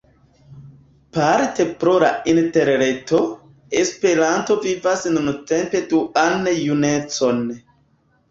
Parte pro la Interreto, Esperanto vivas nuntempe duan junecon.